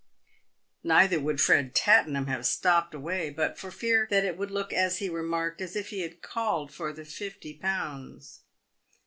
Neither would Fred Tattenham have stopped away, but for fear that it would look, as he remarked, as if he had called for the fifty pounds.